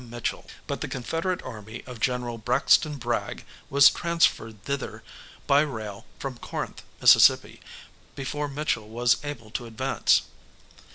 Mitchel, but the Confederate army of General Braxton Bragg was transferred thither by rail from Corinth, Miss., before Mitchel was able to advance.